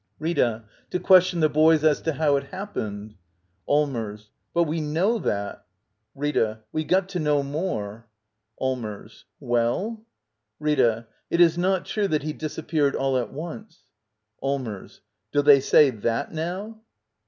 Rtta. To question the boys as to how it hap pened. Allmers. But we know that. Rita. We got to know more. Allmers. Well? Rita. It is not true that he disappeared all at once. Allmers. Do they say that now?